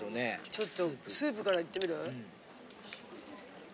ちょっとスープからいってみる？